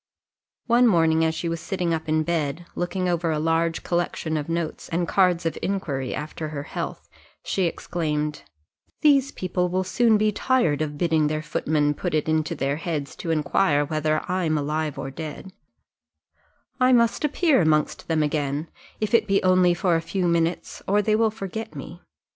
One morning as she was sitting up in bed, looking over a large collection of notes, and cards of inquiry after her health, she exclaimed "These people will soon be tired of bidding their footman put it into their heads to inquire whether I am alive or dead I must appear amongst them again, if it be only for a few minutes, or they will forget me.